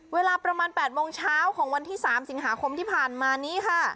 เวลาประมาณ๘โมงเช้าของวันที่๓สิงหาคมที่ผ่านมานี้ค่ะ